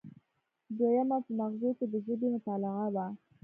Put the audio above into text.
دویمه په مغزو کې د ژبې مطالعه وه